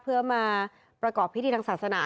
เพื่อมาประกอบพิธีทางศาสนา